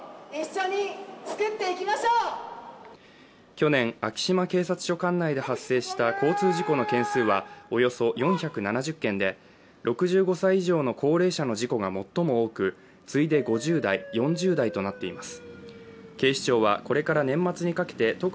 去年、昭島警察署管内で発生した交通事故の件数はおよそ４７０件で、６５歳以上の高齢者の事故が最も多く次いで５０代、４０代となっています。